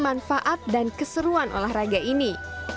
manfaat dan keseruan olahraga ini